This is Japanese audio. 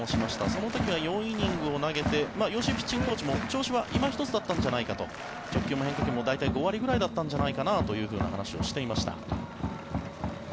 その時は４イニングを投げて吉井ピッチングコーチも調子は今一つだったんじゃないかと直球も変化球も５割くらいだったんじゃないかと話をしていました。